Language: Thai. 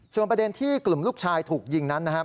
ส่วนประเด็นที่กลุ่มลูกชายถูกยิงนั้นนะครับ